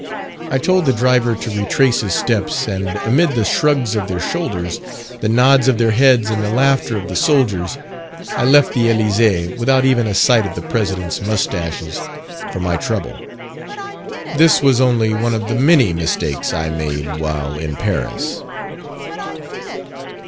I told the driver to retrace his steps, and, amid the shrugs of their shoulders, the nods of their heads, and the laughter of the soldiers, I left the Elysee without even a sight of the President's mustaches for my trouble. This was only one of the many mistakes I made while in Paris.